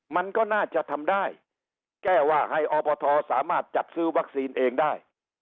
มันก็น่าจะทำได้แก้ว่าให้อบทสามารถจัดซื้อวัคซีนเองได้